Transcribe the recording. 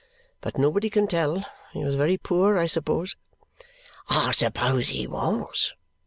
But nobody can tell. He was very poor, I suppose?" "I suppose he was.